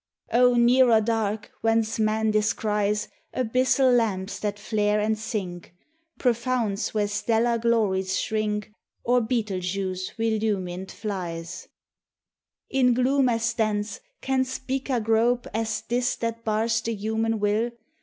O nearer dark whence Man descries Abyssal lamps that flare and sink! Profounds where stellar glories shrink, Or Betelgeuse relumined flies! In gloom as dense can Spica grope As this that bars the human will?